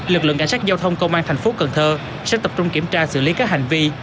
lực lượng cảnh sát giao thông công an thành phố cần thơ sẽ tập trung kiểm tra xử lý các hành vi